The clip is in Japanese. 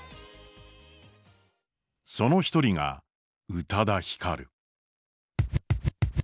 その一人が宇多田ヒカル。